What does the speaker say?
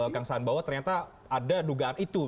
kang sahanbawa ternyata ada dugaan itu